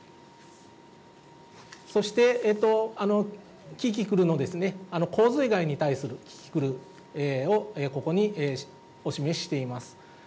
そして、キキクルの洪水害に対するキキクルを、ここにお示ししています。